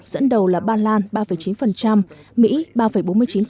dẫn đầu là ba lan mỹ